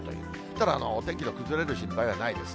ただお天気の崩れる心配はないです。